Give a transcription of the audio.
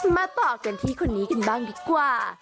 มาต่อกันที่คนนี้กันบ้างดีกว่า